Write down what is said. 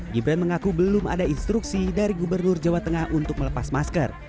gibran mengaku belum ada instruksi dari gubernur jawa tengah untuk melepas masker